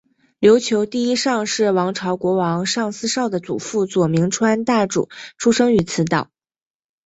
琉球第一尚氏王朝国王尚思绍的祖父佐铭川大主出生于此岛。